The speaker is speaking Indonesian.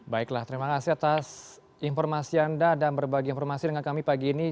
baiklah terima kasih atas informasi anda dan berbagi informasi dengan kami pagi ini